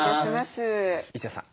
一田さん